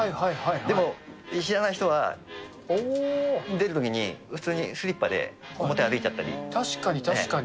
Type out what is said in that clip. でも知らない人は、出るときに、普通にスリッパで、確かに、確かに。